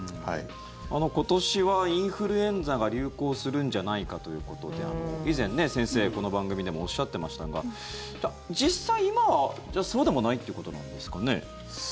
今年はインフルエンザが流行するんじゃないかということで以前、先生、この番組でもおっしゃってましたが実際、今はそうでもないということなんですかね？